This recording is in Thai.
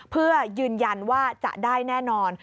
เพื่อยืนยันว่าจะได้แน่นอน